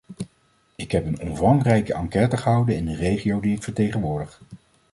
Ik heb een omvangrijke enquête gehouden in de regio die ik vertegenwoordig.